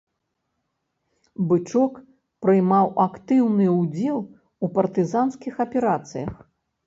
Бычок прымаў актыўны ўдзел у партызанскіх аперацыях.